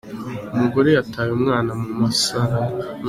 Umugore yataye umwana mu musarane